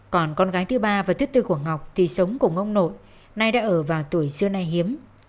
còn con gái thứ ba và thứ tư của ngọc thì sống của ngông nội nay đã ở vào tuổi xưa nay hiếm